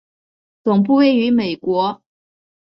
总部位于美国。